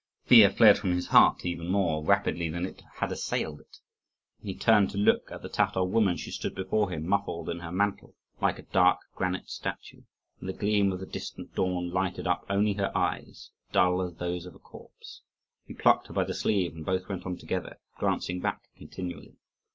Fear fled from his heart even more rapidly than it had assailed it. When he turned to look at the Tatar woman, she stood before him, muffled in her mantle, like a dark granite statue, and the gleam of the distant dawn lighted up only her eyes, dull as those of a corpse. He plucked her by the sleeve, and both went on together, glancing back continually.